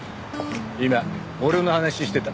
今俺の話してたな？